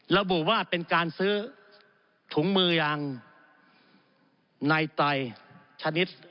ระบุว่าเป็นการซื้อถุงมือยางในไตรชนิด